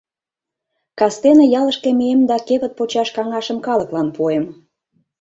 Кастене ялышке мием да кевыт почаш каҥашым калыклан пуэм...